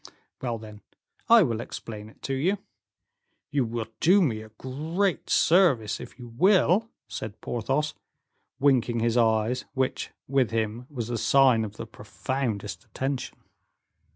"Well, then, I will explain it to you." "You will do me a great service if you will," said Porthos, winking his eyes, which, with him, was sign of the profoundest attention.